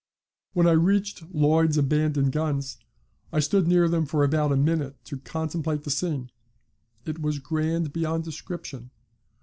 "When I reached Lloyd's abandoned guns, I stood near them for about a minute to contemplate the scene: it was grand beyond description.